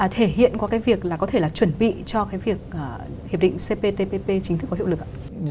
thể hiện qua cái việc là có thể là chuẩn bị cho cái việc hiệp định cptpp chính thức có hiệu lực ạ